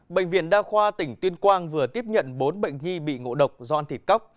bệnh viện đa khoa tỉnh tuyên quang vừa tiếp nhận bốn bệnh nhi bị ngộ độc do ăn thịt cóc